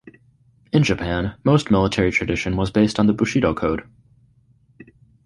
In Japan, most military tradition was based on the bushido code.